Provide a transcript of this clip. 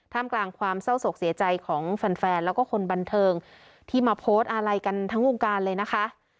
กลางความเศร้าศกเสียใจของแฟนแล้วก็คนบันเทิงที่มาโพสต์อะไรกันทั้งวงการเลยนะคะ